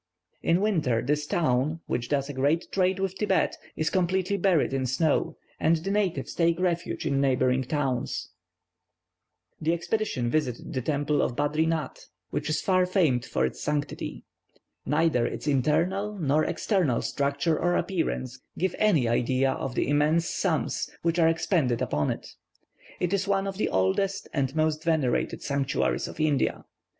In winter, this town, which does a great trade with Thibet, is completely buried in snow, and the natives take refuge in neighbouring towns. The expedition visited the temple at Badrinath, which is far famed for its sanctity. Neither its internal nor external structure or appearance give any idea of the immense sums which are expended upon it. It is one of the oldest and most venerated sanctuaries of India.